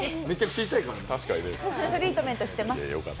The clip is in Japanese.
トリートメントしてます。